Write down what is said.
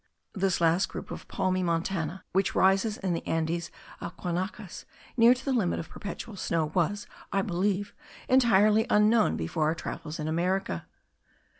This last group of palmae montanae, which rises in the Andes of Guanacas nearly to the limit of perpetual snow, was, I believe, entirely unknown before our travels in America.